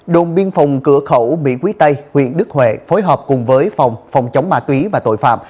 đồn biên phòng cửa khẩu mỹ quý tây huyện đức huệ phối hợp cùng với phòng phòng chống ma túy và tội phạm